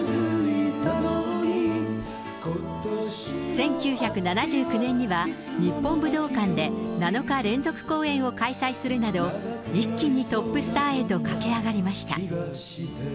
１９７９年には日本武道館で７日連続公演を開催するなど、一気にトップスターへと駆け上がりました。